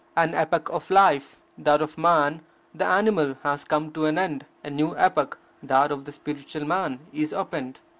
An epoch of life, that of man the animal, has come to an end; a new epoch, that of the spiritual man, is opened.